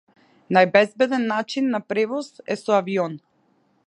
Најбезбеден начин на превоз е со авион.